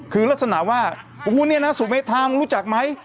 คือลักษณะว่าโอ้โหเนี่ยนะสุเมธามรู้จักไหม